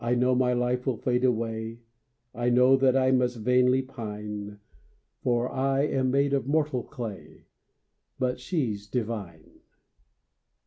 I know my life will fade away, I know that I must vainly pine, For I am made of mortal clay, But she's divine!